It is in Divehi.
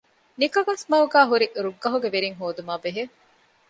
ނިކަގަސްމަގުގައި ހުރި ރުއްގަހުގެ ވެރިން ހޯދުމާބެހޭ